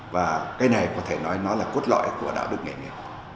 và cái này có thể nói nó là cốt lõi của đạo đức nghề nghiệp